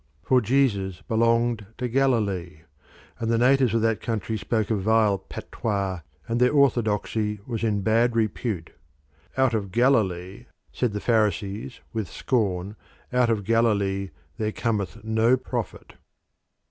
For Jesus belonged to Galilee, and the natives of that country spoke a vile patois, and their orthodoxy was in bad repute. "Out of Galilee," said the Pharisees with scorn, "out of Galilee there cometh no prophet."